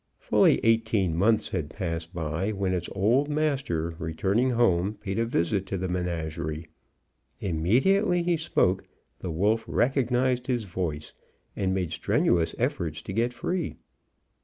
Fully eighteen months had passed by, when its old master, returning home, paid a visit to the menagerie. Immediately he spoke, the wolf recognized his voice, and made strenuous efforts to get free.